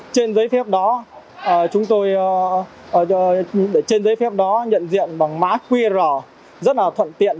trên giấy phép đó chúng tôi nhận diện bằng má qr rất là thuận tiện